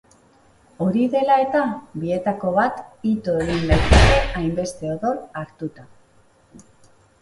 Hori dela eta, bietako bat ito egin daiteke hainbeste odol hartuta.